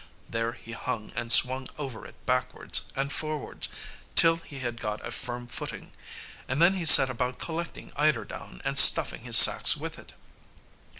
There he hung and swung over it backwards and forwards till he had got a firm footing, and then he set about collecting eider down and stuffing his sacks with it.